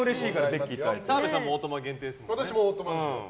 澤部さんもオートマ限定ですもんね。